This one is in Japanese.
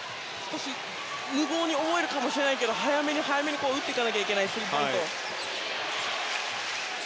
無謀に思えるかもしれないけど早めに打っていかないといけないスリーポイントを。